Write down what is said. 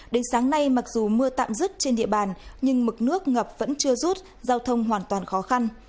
đến sáng nay mặc dù mưa tạm dứt trên địa bàn nhưng mực nước ngập vẫn chưa rút giao thông hoàn toàn khó khăn